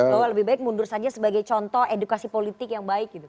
bahwa lebih baik mundur saja sebagai contoh edukasi politik yang baik gitu